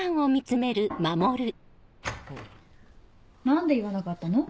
何で言わなかったの？